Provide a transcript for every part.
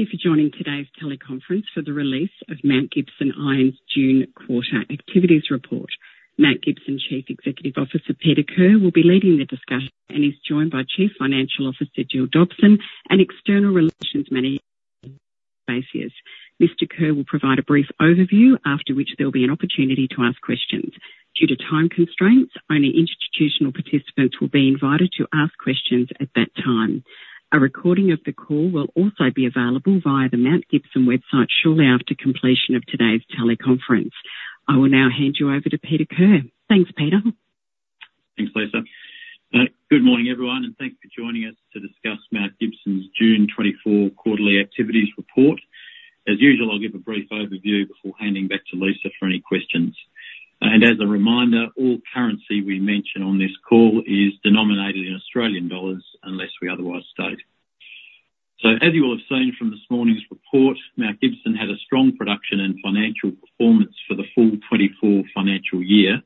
Thank you for joining today's teleconference for the release of Mount Gibson Iron's June quarter activities report. Mount Gibson Chief Executive Officer, Peter Kerr, will be leading the discussion and is joined by Chief Financial Officer, Gill Dobson, and External Relations Manager, John Phaceas. Mr. Kerr will provide a brief overview, after which there'll be an opportunity to ask questions. Due to time constraints, only institutional participants will be invited to ask questions at that time. A recording of the call will also be available via the Mount Gibson website shortly after completion of today's teleconference. I will now hand you over to Peter Kerr. Thanks, Peter. Thanks, Lisa. Good morning, everyone, and thank you for joining us to discuss Mount Gibson's June 2024 quarterly activities report. As usual, I'll give a brief overview before handing back to Lisa for any questions. And as a reminder, all currency we mention on this call is denominated in Australian dollars, unless we otherwise state. So as you will have seen from this morning's report, Mount Gibson had a strong production and financial performance for the full 2024 financial year,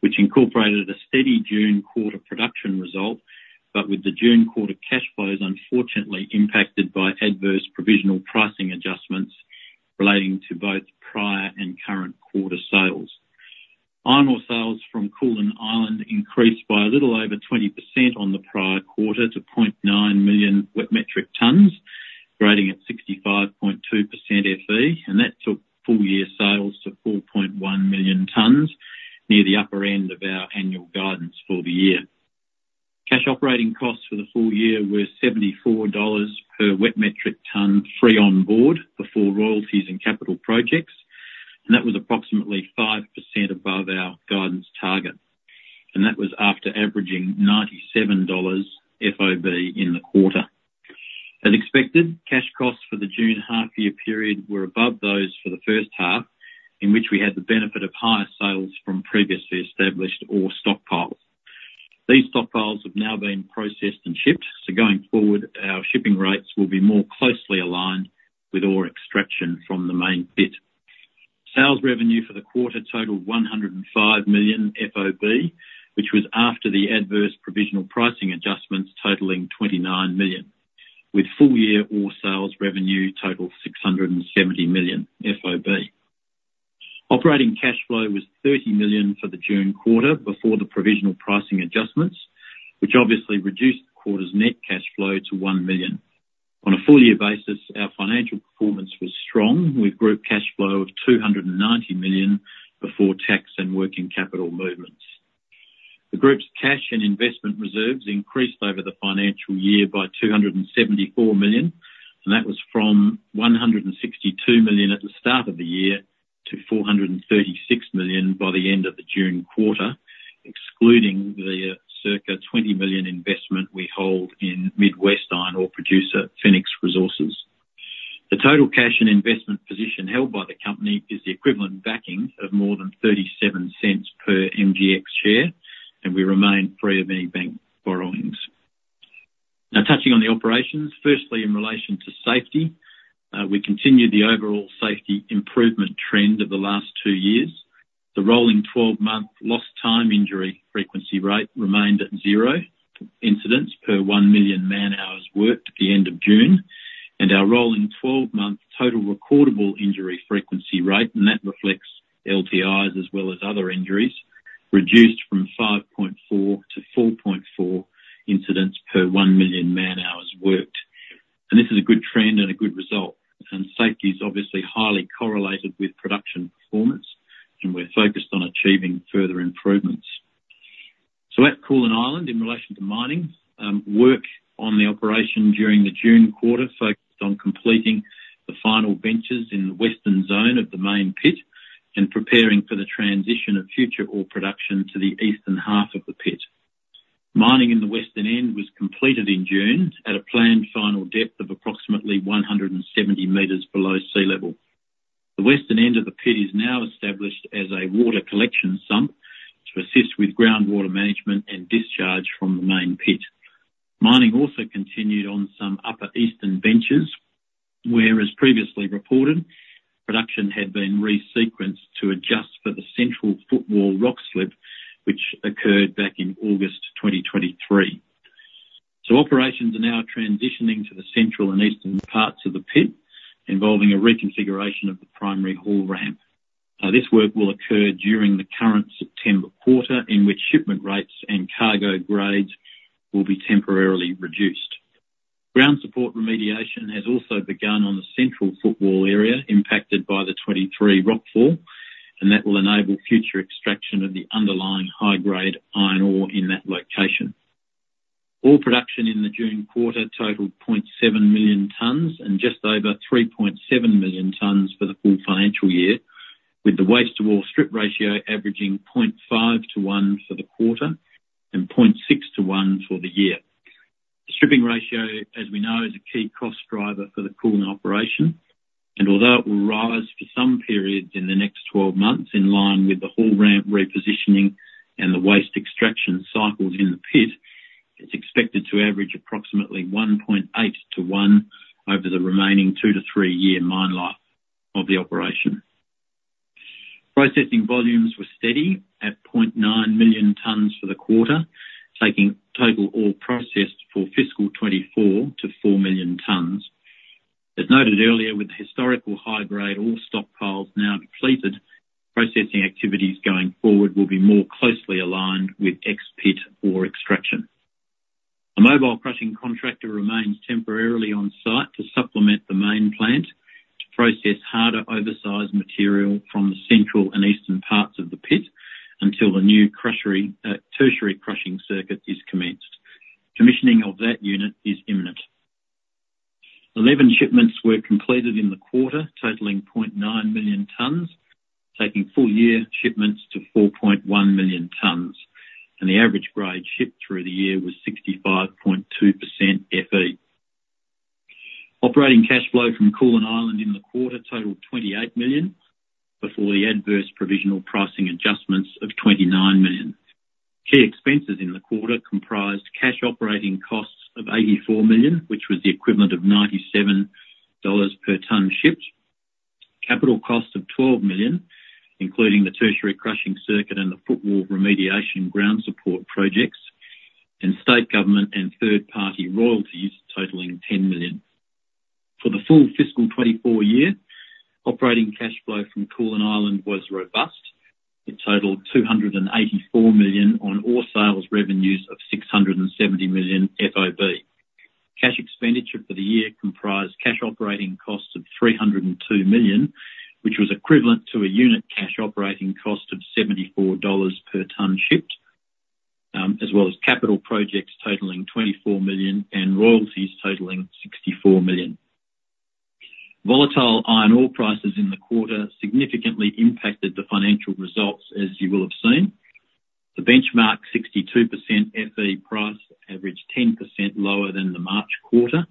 which incorporated a steady June quarter production result. But with the June quarter, cash flows unfortunately impacted by adverse provisional pricing adjustments relating to both prior and current quarter sales. Iron ore sales from Koolan Island increased by a little over 20% on the prior quarter to 0.9 million wet metric tons, grading at 65.2% Fe, and that took full year sales to 4.1 million tons, near the upper end of our annual guidance for the year. Cash operating costs for the full year were $74 per wet metric ton, free on board, before royalties and capital projects, and that was approximately 5% above our guidance target, and that was after averaging $97 FOB in the quarter. As expected, cash costs for the June half year period were above those for the first half, in which we had the benefit of higher sales from previously established ore stockpiles. These stockpiles have now been processed and shipped, so going forward, our shipping rates will be more closely aligned with ore extraction from the main pit. Sales revenue for the quarter totaled 105 million FOB, which was after the adverse provisional pricing adjustments totaling 29 million, with full year ore sales revenue total 670 million FOB. Operating cash flow was 30 million for the June quarter before the provisional pricing adjustments, which obviously reduced the quarter's net cash flow to 1 million. On a full year basis, our financial performance was strong, with group cash flow of 290 million, before tax and working capital movements. The group's cash and investment reserves increased over the financial year by 274 million, and that was from 162 million at the start of the year to 436 million by the end of the June quarter, excluding the circa 20 million investment we hold in Mid West iron ore producer, Fenix Resources. The total cash and investment position held by the company is the equivalent backing of more than 0.37 per MGX share, and we remain free of any bank borrowings. Now, touching on the operations. Firstly, in relation to safety, we continued the overall safety improvement trend of the last 2 years. The rolling twelve-month lost time injury frequency rate remained at 0 incidents per 1 million man-hours worked at the end of June, and our rolling twelve-month total recordable injury frequency rate, and that reflects LTIs as well as other injuries, reduced from 5.4 to 4.4 incidents per 1 million man-hours worked. This is a good trend and a good result, and safety is obviously highly correlated with production performance, and we're focused on achieving further improvements. At Koolan Island, in relation to mining, work on the operation during the June quarter focused on completing the final benches in the western zone of the main pit and preparing for the transition of future ore production to the eastern half of the pit. Mining in the western end was completed in June at a planned final depth of approximately 170 meters below sea level. The western end of the pit is now established as a water collection sump to assist with groundwater management and discharge from the main pit. Mining also continued on some upper eastern benches, where, as previously reported, production had been resequenced to adjust for the central footwall rock slip, which occurred back in August 2023. So operations are now transitioning to the central and eastern parts of the pit, involving a reconfiguration of the primary ore ramp. This work will occur during the current September quarter, in which shipment rates and cargo grades will be temporarily reduced. Ground support remediation has also begun on the central footwall area impacted by the 2023 rockfall, and that will enable future extraction of the underlying high-grade iron ore in that location. Ore production in the June quarter totaled 0.7 million tons and just over 3.7 million tons for the full financial year, with the waste to ore strip ratio averaging 0.5:1 for the quarter and 0.6:1 for the year. The stripping ratio, as we know, is a key cost driver for the Koolan operation, and although it will rise for some periods in the next 12 months, in line with the ore ramp repositioning and the waste extraction cycles in the pit, it's expected to average approximately 1.8:1 over the remaining 2 - to 3-year mine life of the operation. Processing volumes were steady at 0.9 million tons for the quarter, taking total ore processed for fiscal 2024 to 4 million tons. As noted earlier, with the historical high-grade ore stockpiles now depleted, processing activities going forward will be more closely aligned with ex-pit ore extraction. A mobile crushing contractor remains temporarily on site to supplement the main plant to process harder oversized material from the central and eastern parts of the pit, until the new crushers tertiary crushing circuit is commenced. Commissioning of that unit is imminent. 11 shipments were completed in the quarter, totaling 0.9 million tons, taking full year shipments to 4.1 million tons, and the average grade shipped through the year was 65.2% Fe. Operating cash flow from Koolan Island in the quarter totaled 28 million, before the adverse provisional pricing adjustments of 29 million. Key expenses in the quarter comprised cash operating costs of 84 million, which was the equivalent of $97 per ton shipped. Capital costs of 12 million, including the tertiary crushing circuit and the footwall remediation ground support projects, and state government and third-party royalties totaling 10 million. For the full fiscal 2024 year, operating cash flow from Koolan Island was robust. It totaled 284 million on ore sales revenues of 670 million FOB. Cash expenditure for the year comprised cash operating costs of 302 million, which was equivalent to a unit cash operating cost of $74 per ton shipped, as well as capital projects totaling 24 million and royalties totaling 64 million. Volatile iron ore prices in the quarter significantly impacted the financial results as you will have seen. The benchmark 62% Fe price averaged 10% lower than the March quarter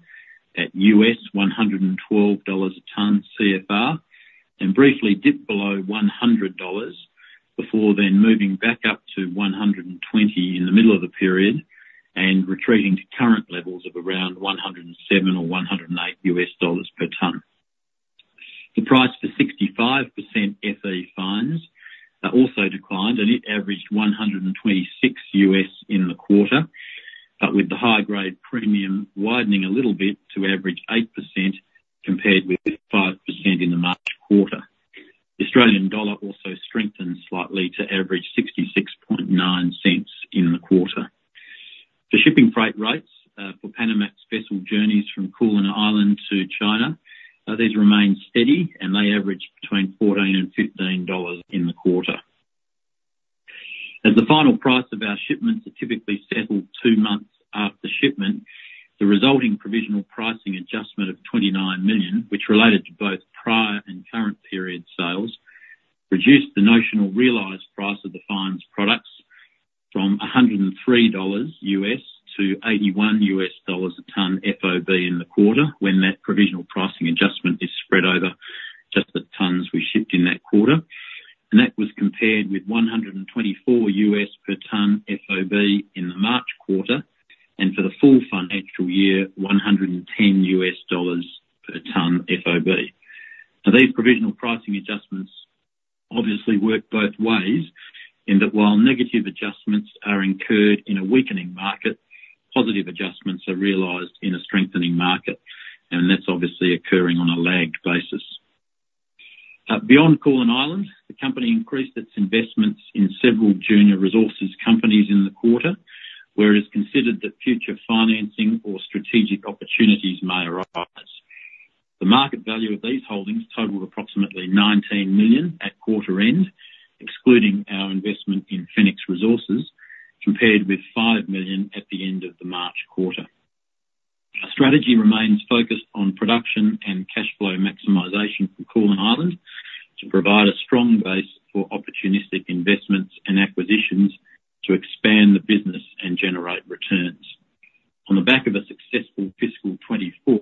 at $112 a ton CFR, and briefly dipped below $100, before then moving back up to $120 in the middle of the period, and retreating to current levels of around $107 or $108 per ton. The price for 65% Fe fines also declined, and it averaged $126 in the quarter, but with the high-grade premium widening a little bit to average 8% compared with 5% in the March quarter. The Australian dollar also strengthened slightly to average $0.669 in the quarter. The shipping freight rates for Panamax vessel journeys from Koolan Island to China, these remained steady, and they averaged between $14 and $15 in the quarter. As the final price of our shipments are typically settled two months after shipment, the resulting provisional pricing adjustment of $29 million, which related to both prior and current period sales, reduced the notional realized price of the fines products from $103-$81 a ton FOB in the quarter, when that provisional pricing adjustment is spread over just the tons we shipped in that quarter. And that was compared with $124 per ton FOB in the March quarter, and for the full financial year, $110 per ton FOB. Now, these provisional pricing adjustments obviously work both ways, in that while negative adjustments are incurred in a weakening market, positive adjustments are realized in a strengthening market, and that's obviously occurring on a lagged basis. Beyond Koolan Island, the company increased its investments in several junior resources companies in the quarter, where it is considered that future financing or strategic opportunities may arise. The market value of these holdings totaled approximately 19 million at quarter end, excluding our investment in Fenix Resources, compared with 5 million at the end of the March quarter. Our strategy remains focused on production and cash flow maximization from Koolan Island, to provide a strong base for opportunistic investments and acquisitions to expand the business and generate returns. On the back of a successful fiscal 2024,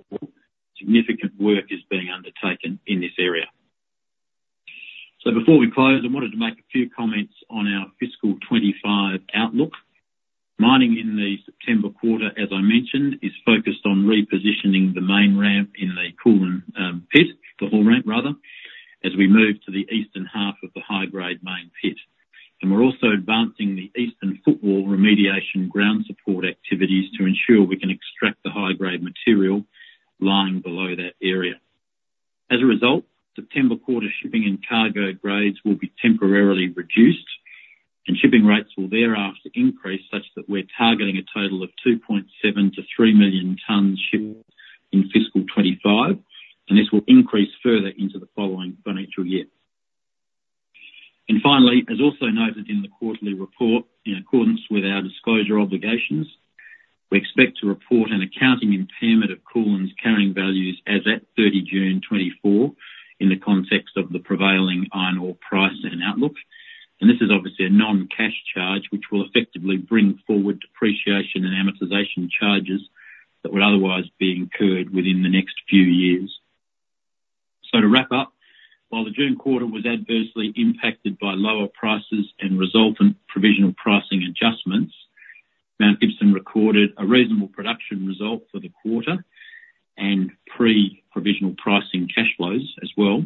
significant work is being undertaken in this area. So before we close, I wanted to make a few comments on our fiscal 2025 outlook. Mining in the September quarter, as I mentioned, is focused on repositioning the main ramp in the Koolan pit, the ore ramp, rather, as we move to the eastern half of the high-grade main pit. We're also advancing the eastern footwall remediation ground support activities to ensure we can extract the high-grade material lying below that area. As a result, September quarter shipping and cargo grades will be temporarily reduced, and shipping rates will thereafter increase, such that we're targeting a total of 2.7 million-3 million tons shipped in fiscal 2025, and this will increase further into the following financial year. Finally, as also noted in the quarterly report, in accordance with our disclosure obligations, we expect to report an accounting impairment of Koolan's carrying values as at 30 June 2024, in the context of the prevailing iron ore price and outlook. This is obviously a non-cash charge, which will effectively bring forward depreciation and amortization charges that would otherwise be incurred within the next few years. To wrap up, while the June quarter was adversely impacted by lower prices and resultant provisional pricing adjustments, Mount Gibson recorded a reasonable production result for the quarter and pre-provisional pricing cash flows as well,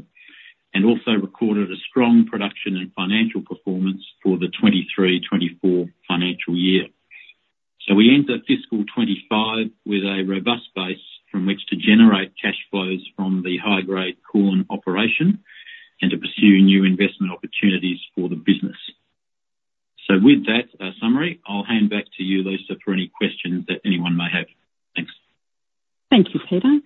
and also recorded a strong production and financial performance for the 2023-2024 financial year. We end the fiscal 2025 with a robust base from which to generate cash flows from the high-grade Koolan operation, and to pursue new investment opportunities for the business. With that summary, I'll hand back to you, Lisa, for any questions that anyone may have. Thanks. Thank you, Peter.